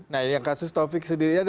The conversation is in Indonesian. nah ini adalah kasus taufik sendiri